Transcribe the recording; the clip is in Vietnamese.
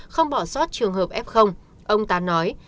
không bỏ soát trường hợp f ông tán nói